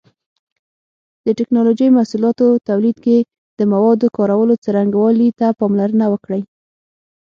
د ټېکنالوجۍ محصولاتو تولید کې د موادو کارولو څرنګوالي ته پاملرنه وکړئ.